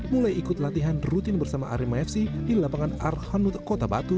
mulai ikut latihan rutin bersama arema fc di lapangan arhanud kota batu